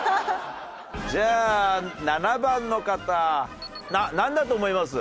じゃあ７番の方なんだと思います？